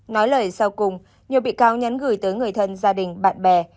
nói lời sau cùng nhiều bị cáo nhắn gửi tới người thân gia đình bạn bè